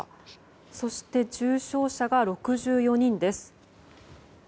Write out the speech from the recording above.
そして重症者が６４人です。